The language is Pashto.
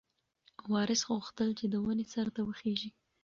وارث غوښتل چې د ونې سر ته وخیژي.